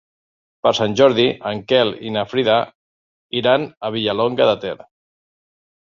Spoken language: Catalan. Per Sant Jordi en Quel i na Frida iran a Vilallonga de Ter.